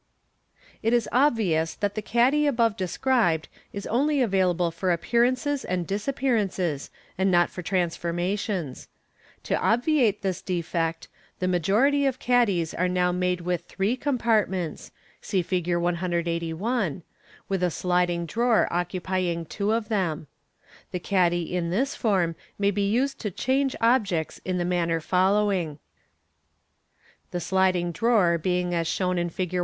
It is obvious that the caddy above described is only available for appearances and disappear ances, and not for transformations. To 35" MODERN MAGIC. Fig. 181. obviate this defect, the majority of caddies are now made with three compartments {see Fig. 18O, wit'a <i sliding drawer occupying two of them. The caddy in this form may be used to " change " objects in manner following: — The sliding drawer being as shown in Fig.